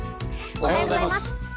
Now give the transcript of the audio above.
おはようございます。